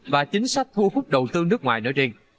và chính sách thu hút đầu tư nước ngoài nói riêng